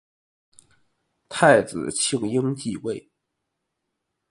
太子庆膺继位。